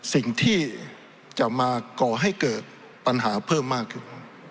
สิ่งที่จะมาก่อให้เกิดปัญหาเพิ่มมากขึ้น